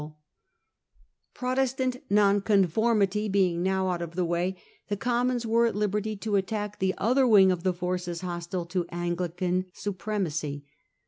1671. Persecution of Catholics, 177 Protestant Nonconformity being now out of the way, the Commons were at liberty to attack the other wing of the forces hostile to Anglican supremacy.